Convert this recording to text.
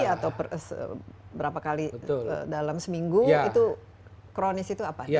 atau berapa kali dalam seminggu itu kronis itu apa